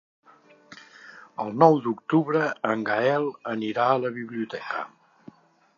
El nou d'octubre en Gaël anirà a la biblioteca.